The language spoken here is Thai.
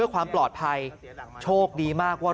ความปลอดภัยโชคดีมากว่า